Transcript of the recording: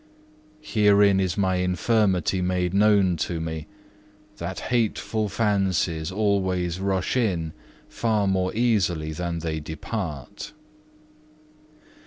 Herein is my infirmity made known to me, that hateful fancies always rush in far more easily than they depart.